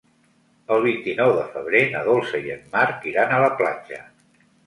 El vint-i-nou de febrer na Dolça i en Marc iran a la platja.